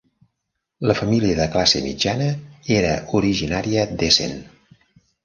La família de classe mitjana era originària d'Essen.